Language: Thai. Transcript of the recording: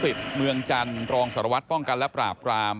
สิทธิ์เมืองจันทร์รองสารวัตรป้องกันและปราบกราม